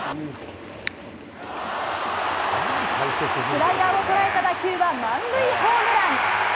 スライダーを捉えた打球は、満塁ホームラン。